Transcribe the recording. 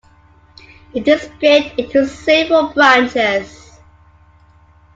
It is split into several branches.